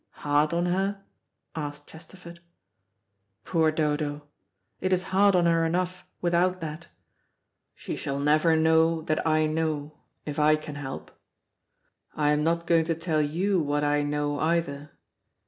"Hard on her?" asked Chesterford. "Poor Dodo, it is hard on her enough without that. She shall never know that I know, if I can help. I am not going to tell you what I know either.